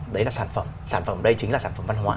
đấy là sản phẩm sản phẩm đây chính là sản phẩm văn hóa